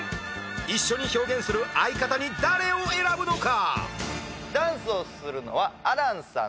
一緒に表現する相方に誰を選ぶのか？